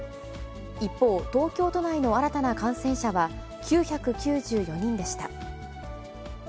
一方、東京都内の新たな感染者は９９４人でした。